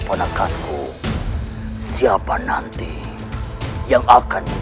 senopati pajajaran yang baru